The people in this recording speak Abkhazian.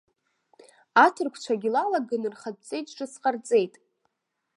Аҭырқәцәагьы лалаган рхатә ҵеџь ҿыц ҟарҵеит.